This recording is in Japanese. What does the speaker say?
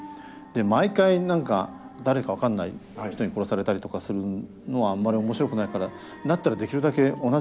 毎回何か誰か分かんない人に殺されたりとかするのはあんまり面白くないからだったらできるだけ同じ人に殺させようっていう。